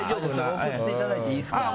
贈っていただいていいですか。